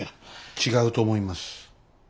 違うと思います。